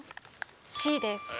Ｃです